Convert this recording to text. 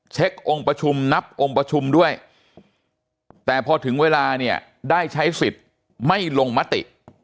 องค์ประชุมนับองค์ประชุมด้วยแต่พอถึงเวลาเนี่ยได้ใช้สิทธิ์ไม่ลงมติ